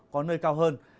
có nơi cao hơn